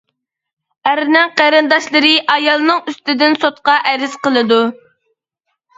ئەرنىڭ قېرىنداشلىرى ئايالنىڭ ئۈستىدىن سوتقا ئەرز قىلىدۇ.